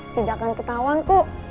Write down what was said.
tidakkan ketahuan kok